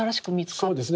そうですね